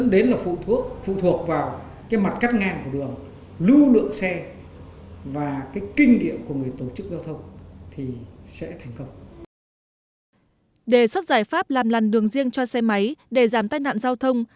đề xuất giải pháp làm lằn đường riêng cho xe máy để giảm tai nạn giao thông